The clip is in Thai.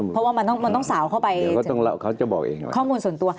เพราะว่ามันต้องสาวเข้าไปข้อมูลส่วนตัว